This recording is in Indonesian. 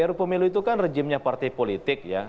ru pemilu itu kan rejimnya partai politik ya